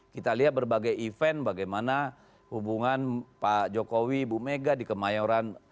kita lihat berbagai event bagaimana hubungan pak jokowi ibu mega di kemayoran